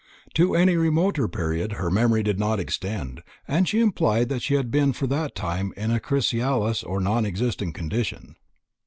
To any remoter period her memory did not extend, and she implied that she had been before that time in a chrysalis or non existent condition.